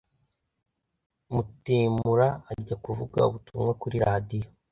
Mutemura ajya kuvuga ubutumwa kuri radiyo